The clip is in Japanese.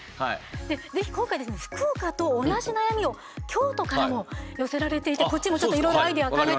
是非今回福岡と同じ悩みを京都からも寄せられていてこっちもいろいろアイデア考えていきましょう。